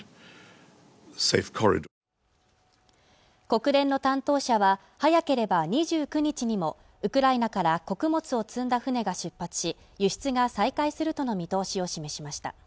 国連の担当者は早ければ２９日にもウクライナから穀物を積んだ船が出発し輸出が再開するとの見通しを示しました